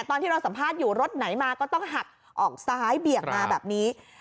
ตอนที่เราสัมภาษณ์อยู่รถไหนมาก็ต้องหักออกซ้ายเบี่ยงมาแบบนี้